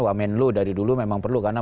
wamen lu dari dulu memang perlu karena